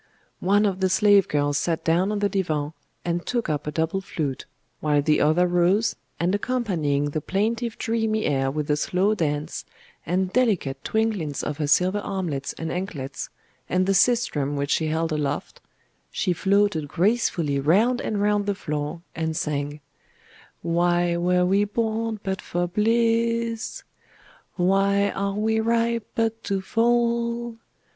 One of the slave girls sat down on the divan, and took up a double flute; while the other rose, and accompanying the plaintive dreamy air with a slow dance, and delicate twinklings of her silver armlets and anklets, and the sistrum which she held aloft, she floated gracefully round and round the floor and sang Why were we born but for bliss? Why are we ripe, but to fall?